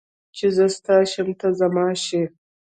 چې زه ستا شم ته زما شې